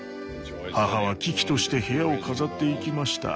母は喜々として部屋を飾っていきました。